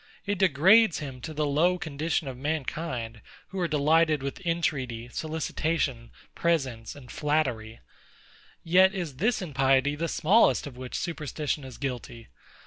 It degrades him to the low condition of mankind, who are delighted with entreaty, solicitation, presents, and flattery. Yet is this impiety the smallest of which superstition is guilty.